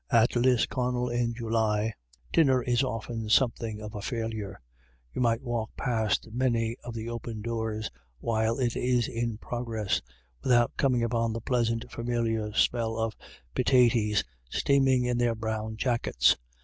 At Lisconnel in July, dinner is often something of a failure. You might walk past many of the open doors while it is in progress, without coming upon the pleasant familiar smell of pitaties steaming in their brown jackets.